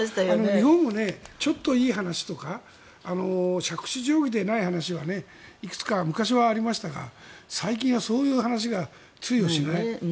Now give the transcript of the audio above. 日本もちょっといい話とか杓子定規でない話はいくつか、昔はありましたが最近はそういう話が通用しない。